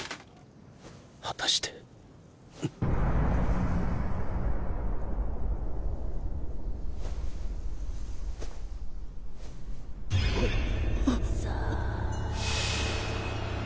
果たしてあっああ。